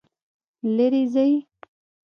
لیرې ځئ